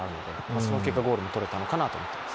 その結果、ゴールも取れたのかなと思います。